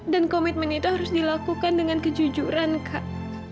dan komitmen itu harus dilakukan dengan kejujuran kak